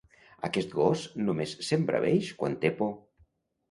Aquest gos només s'embraveix quan té por!